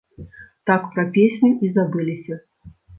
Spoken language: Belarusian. Так пра песню і забыліся.